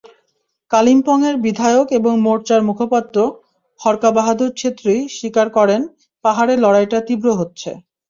কালিম্পংয়ের বিধায়ক এবং মোর্চার মুখপাত্র হরকাবাহাদুর ছেত্রী স্বীকার করেন, পাহাড়ে লড়াইটা তীব্র হচ্ছে।